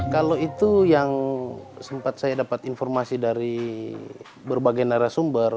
kalau itu yang sempat saya dapat informasi dari berbagai narasumber